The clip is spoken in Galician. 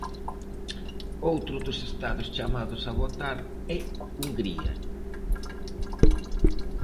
Outro dos Estados chamados a votar é Hungría.